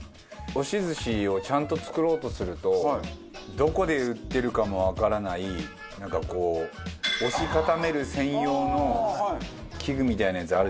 押し寿司をちゃんと作ろうとするとどこで売ってるかもわからないなんかこう押し固める専用の器具みたいなやつあるじゃないですか。